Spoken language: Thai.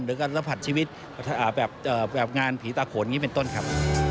หรือการสัมผัสชีวิตแบบงานผีตาโขนอย่างนี้เป็นต้นครับ